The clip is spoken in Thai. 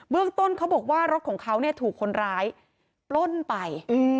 เรื่องต้นเขาบอกว่ารถของเขาถูกคนร้ายปล้นไป